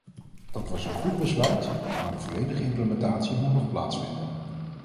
Dat was een goed besluit, maar de volledige implementatie moet nog plaatsvinden.